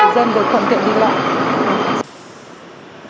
dân được phần tiện đi lại